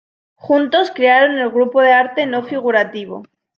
Juntos crearon el "Grupo de Arte No Figurativo".